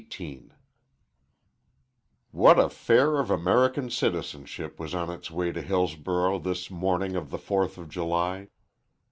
XVIII WHAT a fair of American citizenship was on its way to Hillsborough this morning of the Fourth of July!